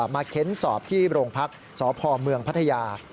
มาเข้นสอบที่โรงพักษ์สพพัทยา